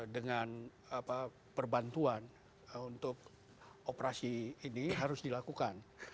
dengan perbantuan untuk operasi ini harus dilakukan